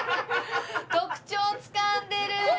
特徴つかんでる！